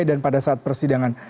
dan pada saat persidangan